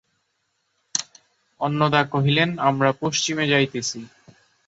অন্নদা কহিলেন, আমরা পশ্চিমে যাইতেছি।